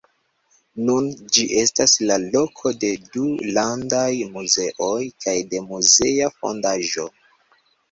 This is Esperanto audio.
Nun ĝi estas la loko de du landaj muzeoj, kaj de muzea fondaĵo.